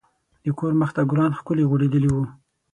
د کور مخ ته ګلان ښکلي غوړیدلي وو.